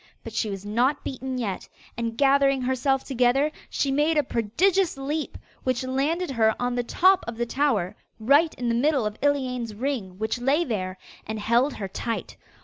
But she was not beaten yet, and gathering herself together, she made a prodigious leap, which landed her on the top of the tower, right in the middle of Iliane's ring which lay there, and held her tight.